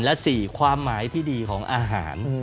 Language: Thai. และ๔ความหมายที่ดีของอาหาร